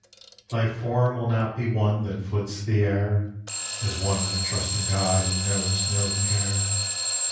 Thy form will not be one That flits the air, As one that trusts in God And knows no care.